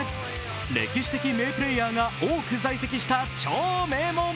歴史的名プレーヤーが多く在籍した超名門。